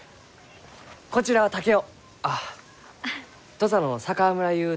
土佐の佐川村ゆう